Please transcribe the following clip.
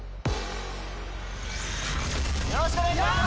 よろしくお願いします。